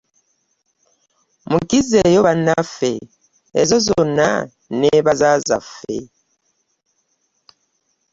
“Mukizzeeyo bannaffe", ezo zonna nneebaza zaffe.